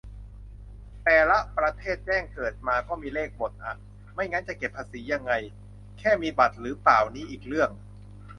แต่ละประเทศ แจ้งเกิดมาก็มีเลขหมดอะ ไม่งั้นจะเก็บภาษียังไง แค่มีบัตรหรือเปล่านี่อีกเรื่อง